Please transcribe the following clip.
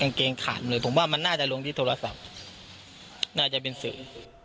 งเกงขาดเลยผมว่ามันน่าจะลงที่โทรศัพท์น่าจะเป็นสื่อ